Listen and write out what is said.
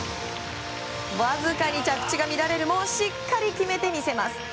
わずかに着地が乱れるもしっかり決めてみせます。